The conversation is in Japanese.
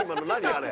あれ。